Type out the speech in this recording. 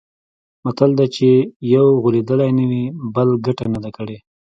متل دی: چې یو غولېدلی نه وي، بل ګټه نه ده کړې.